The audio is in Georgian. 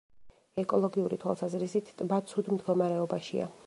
ეკოლოგიური თვალსაზრისით ტბა ცუდ მდგომარეობაშია.